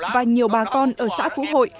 và nhiều bà con ở xã phú hội